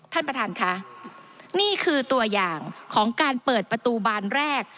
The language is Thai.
ท่านประธานค่ะนี่คือตัวอย่างของการเปิดประตูบานแรก